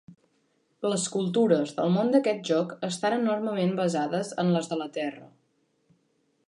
Les cultures del món d'aquest joc estan enormement basades en les de la terra.